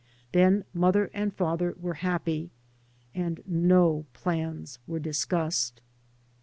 Then mother and father were happy; and no plans were discussed.